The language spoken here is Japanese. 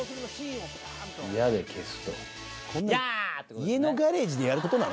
家のガレージでやることなの？